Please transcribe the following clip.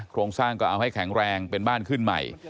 โครงสร้างก็เอาให้แข็งแรงเป็นบ้านขึ้นใหม่